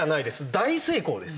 「大成功」です。